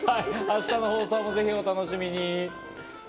明日の放送もお楽しみに。